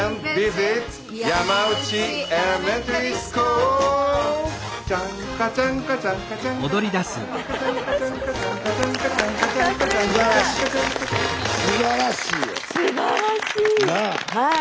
すばらしい！